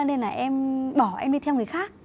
nên là em bỏ em đi theo người khác